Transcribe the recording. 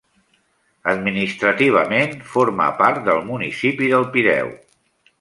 Administrativament, forma part del municipi del Pireu.